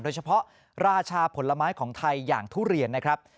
โดยเฉพาะราชาผลไม้ของไทยอย่างทุเรียนนะครับ